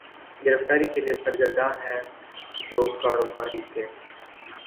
گرفتاری کے لیے سرگرداں ہے جو کاروکاری کے